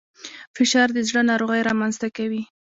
فشار د زړه ناروغۍ رامنځته کوي